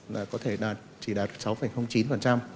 là có thể chỉ đạt sáu